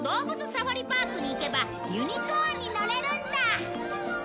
サファリパークに行けばユニコーンに乗れるんだ